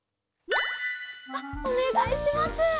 あっおねがいします。